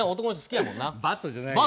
バットじゃないよ